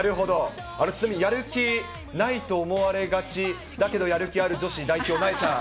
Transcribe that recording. ちなみにやる気ないと思われがちだけど、やる気ある女子代表、なえちゃん。